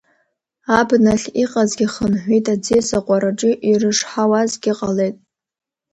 Абнахь иҟазгьы хынҳәит, аӡиас аҟәараҿы ирышҳауазгьы халеит.